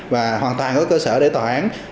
và hoàn toàn có cơ sở để tòa án